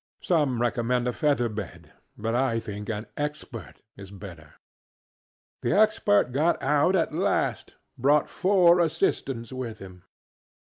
Some recommend a feather bed, but I think an Expert is better. The Expert got out at last, brought four assistants with him.